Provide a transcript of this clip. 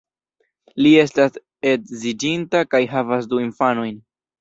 Li estas edziĝinta kaj havas du infanojn.